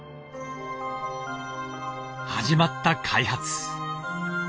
始まった開発。